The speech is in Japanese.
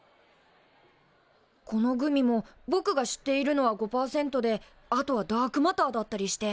このグミもぼくが知っているのは５％であとはダークマターだったりして。